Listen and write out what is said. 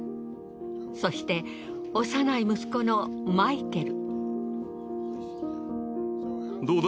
そして幼い息子のマイケル。